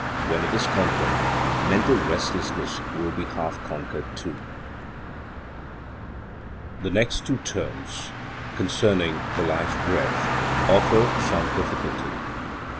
When it is conquered, mental restlessness will be half conquered, too. The next two terms, concerning the life breath, offer some difficulty.